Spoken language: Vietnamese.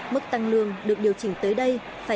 mức tăng lương được điều chỉnh tới đây